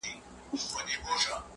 په پردي کور کي نه وي منلي -